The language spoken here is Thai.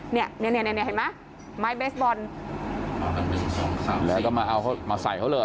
เนี่ยเนี่ยเห็นไหมไม้เบสบอลแล้วก็มาเอาเขามาใส่เขาเลย